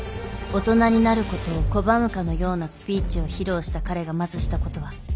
大人になることを拒むかのようなスピーチを披露した彼がまずしたことは。